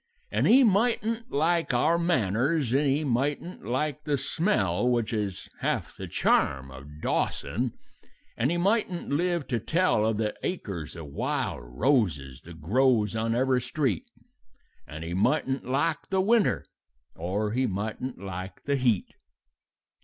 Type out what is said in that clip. "And he mightn't like our manners, and he mightn't like the smell Which is half the charm of Dawson; and he mightn't live to tell Of the acres of wild roses that grows on every street; And he mightn't like the winter, or he mightn't like the heat.